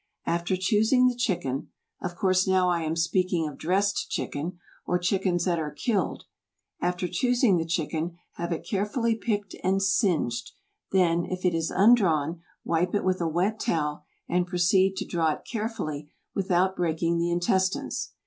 After choosing the chicken of course now I am speaking of dressed chicken, or chickens that are killed after choosing the chicken, have it carefully picked and singed; then, if it is undrawn, wipe it with a wet towel, and proceed to draw it carefully without breaking the intestines.